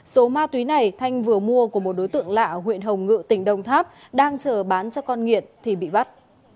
số ma túy này thanh vừa mua của một đối tượng lạ ở huyện hồng ngự tỉnh đông tháp đang chờ bán cho con nghiện thì bị bắt